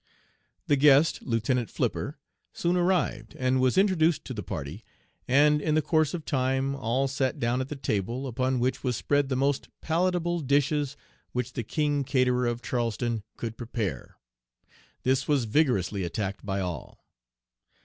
The guest, Lieutenant Flipper, soon arrived, and was introduced to the party, and, in the course of time, all sat down at the table, upon which was spread the most palatable dishes which the king caterer of Charleston could prepare. This was vigorously attacked by all.